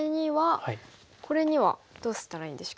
これにはどうしたらいいんでしょう？